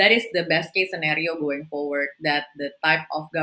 jadi itu adalah skenario terbaik yang akan berlaku